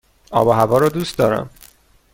آب و هوا را دوست دارم.